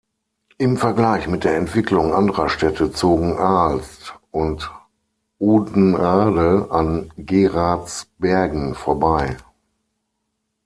Im Vergleich mit der Entwicklung anderer Städte zogen Aalst und Oudenaarde an Geraardsbergen vorbei.